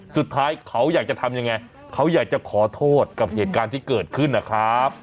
สุดท้ายเขาอยากจะทำยังไงเขาอยากจะขอโทษกับเหตุการณ์ที่เกิดขึ้นนะครับ